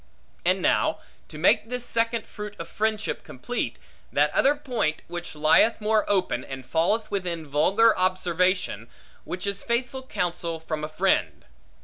Add now, to make this second fruit of friendship complete, that other point, which lieth more open, and falleth within vulgar observation; which is faithful counsel from a friend.